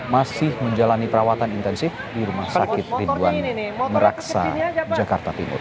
masih menjalani perawatan intensif di rumah sakit ridwan meraksa jakarta timur